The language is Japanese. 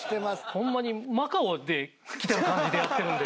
ホンマにマカオで来た感じでやってるんで。